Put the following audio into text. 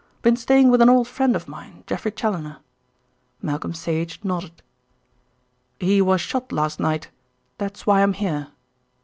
"Been staying with an old friend of mine, Geoffrey Challoner." Malcolm Sage nodded. "He was shot last night. That's why I'm here."